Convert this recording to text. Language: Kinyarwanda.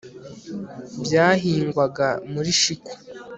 byahingwaga muri shiku